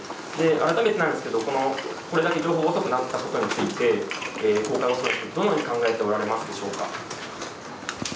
改めてなんですけど、これだけ情報不足になったことによって、どのように考えておられますでしょうか。